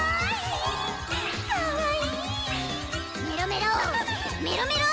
メロメロ！